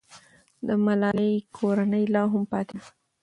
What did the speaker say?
د ملالۍ کورنۍ لا هم پاتې ده.